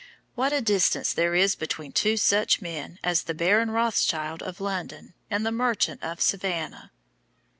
What a distance there is between two such men as the Baron Rothschild of London, and the merchant of Savannah!"